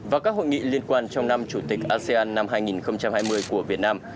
và các hội nghị liên quan trong năm chủ tịch asean năm hai nghìn hai mươi của việt nam